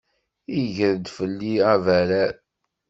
Iger-d fell-i abarrar.